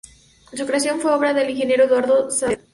Su creación fue obra del ingeniero Eduardo Saavedra.